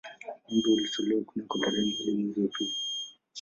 Wimbo ulitolewa kunako tarehe moja mwezi wa pili